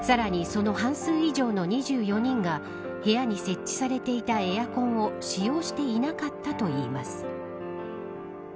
その半数以上の２４人が部屋に設置されていたエアコンを使用していなかったといいます。